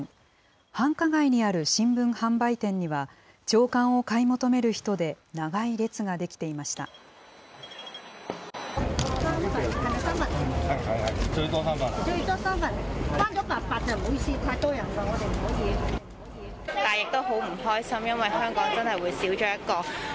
繁華街にある新聞販売店には、朝刊を買い求める人で長い列が出来ていました。